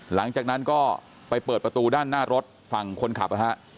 หลังจากนั้นก็ไปเปิดประตูด้านหน้ารถฝั่งคนขับนะฮะ